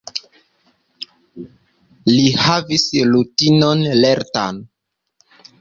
Li havis rutinon lertan.